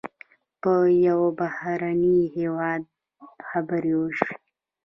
په یو بهرني هېواد خبرې وشوې.